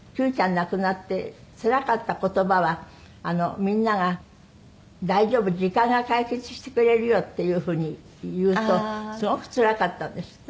亡くなってつらかった言葉はみんなが「大丈夫時間が解決してくれるよ」っていうふうに言うとすごくつらかったんですって？